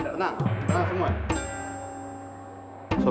tenang tenang semua